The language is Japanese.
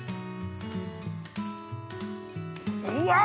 うわ！